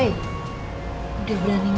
hei udah berani ngelawan kamu ya